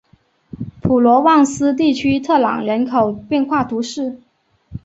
普罗旺斯地区特朗人口变化图示